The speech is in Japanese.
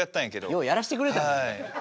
ようやらしてくれたね。